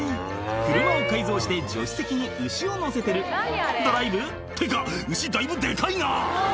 車を改造して助手席に牛を載せてるドライブ？っていうか牛だいぶデカいな！